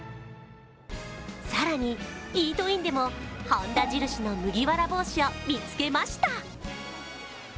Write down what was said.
更に、イートインでも本田印の麦わら帽子を見つけました。